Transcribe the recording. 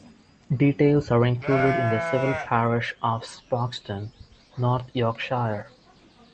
Details are included in the civil parish of Sproxton, North Yorkshire.